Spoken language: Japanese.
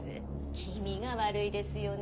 気味が悪いですよね